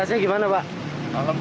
sini aja pak